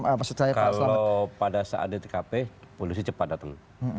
kalau pada saat dtkp polisi cepat datang